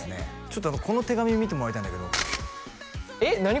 ちょっとこの手紙見てもらいたいんだけどえっ何？